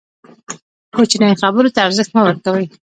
کوچنۍ خبرو ته ارزښت مه ورکوئ!